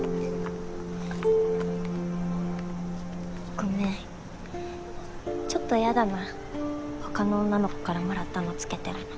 ごめんちょっとやだな他の女の子からもらったのつけてるの。